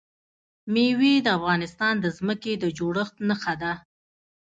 مېوې د افغانستان د ځمکې د جوړښت نښه ده.